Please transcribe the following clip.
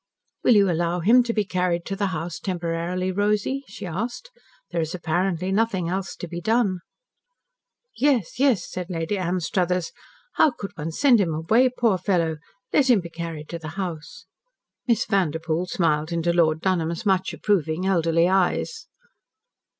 "Will you allow him to be carried to the house temporarily, Rosy?" she asked. "There is apparently nothing else to be done." "Yes, yes," said Lady Anstruthers. "How could one send him away, poor fellow! Let him be carried to the house." Miss Vanderpoel smiled into Lord Dunholm's much approving, elderly eyes.